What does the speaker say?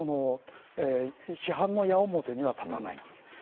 だから直接批判の矢面には立たない。